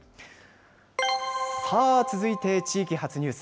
さあ続いて地域発ニュース。